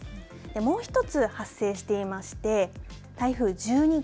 もう１つ、発生していまして台風１２号。